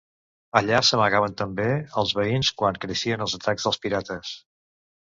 Allà s'amagaven també els veïns quan creixien els atacs dels pirates.